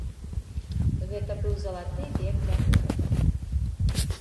Гэта быў залаты век для горада.